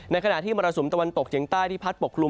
ขณะที่มรสุมตะวันตกเฉียงใต้ที่พัดปกคลุม